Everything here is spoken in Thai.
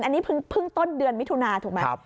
อันนี้เพิ่งต้นเดือนมิถุนาถูกไหม